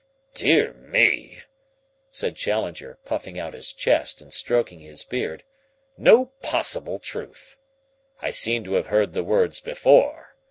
"Dear me!" said Challenger, puffing out his chest and stroking his beard. "No possible truth! I seem to have heard the words before.